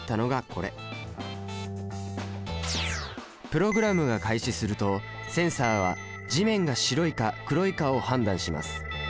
プログラムが開始するとセンサは地面が白いか黒いかを判断します。